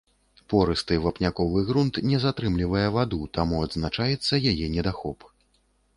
Порысты вапняковы грунт не затрымлівае ваду, таму адзначаецца яе недахоп.